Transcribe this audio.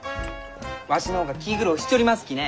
わしの方が気苦労しちょりますきね。